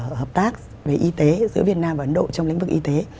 văn bản hợp tác về y tế giữa việt nam và ấn độ trong lĩnh vực y tế